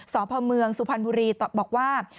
สพเมืองสุพรรณบุรีตอบบอกว่า